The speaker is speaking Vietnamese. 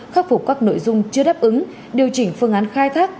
khắc phục các nội dung chưa đáp ứng điều chỉnh phương án khai thác